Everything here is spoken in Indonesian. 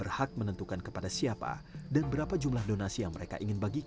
berhak menentukan kepada siapa dan berapa jumlah donasi yang mereka ingin bagikan